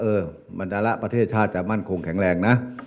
เออมันดาระประเทศชาติจะมั่นคงแข็งแรงนะ